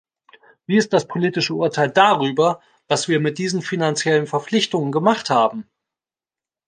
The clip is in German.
Wie ist das politische Urteil darüber, was wir mit diesen finanziellen Verpflichtungen gemacht haben?